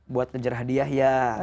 buat ngejar hadiah ya